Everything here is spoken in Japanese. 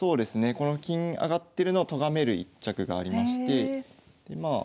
この金上がってるのをとがめる一着がありましてまあ